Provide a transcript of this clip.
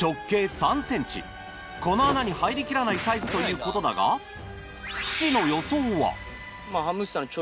この穴に入りきらないサイズということだが岸の予想は？